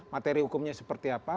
materi hukumnya seperti apa